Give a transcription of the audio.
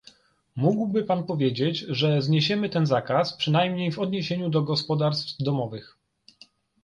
Mógłby Pan powiedzieć, że zniesiemy ten zakaz, przynajmniej w odniesieniu do gospodarstw domowych